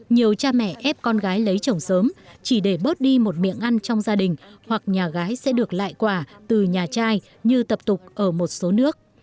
nhiều cha mẹ ép con gái lấy chồng sớm chỉ để bớt đi một miệng ăn trong gia đình hoặc nhà gái sẽ được lại quả từ nhà trai như tập tục ở một số nước